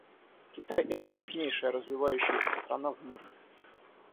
Китай — это крупнейшая развивающаяся страна в мире.